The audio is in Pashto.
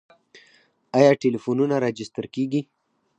آیا ټلیفونونه راجستر کیږي؟